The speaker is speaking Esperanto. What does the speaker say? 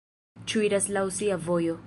Ĉiu iras laŭ sia vojo!